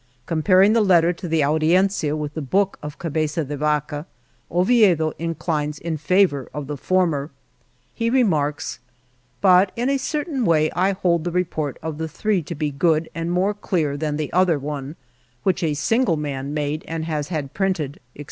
Comparing the Letter to the Audiencia with the book of Cabeza de Vaca, Oviedo in clines in favor of the former. He remarks : ''But in a certain way I hold the report of the three to be good and more clear than the other one, which a single man made and has had printed," &c.